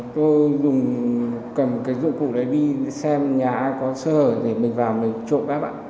tôi dùng cầm dụng cục tài sản để phá khóa